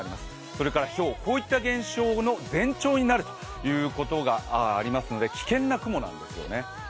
それからひょう、こういった現象の前兆になるということですから危険な雲なんですよね。